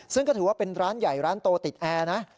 ซึ่งก็ถือว่าเป็นร้านใหญ่ร้านโตติดแอร์นะ